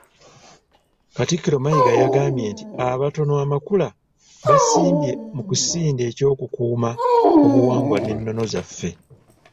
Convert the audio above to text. Katikkiro Mayiga yagambye nti abatona amakula basimbye mu kisinde eky'okukuuma obuwangwa n’ennono zaffe.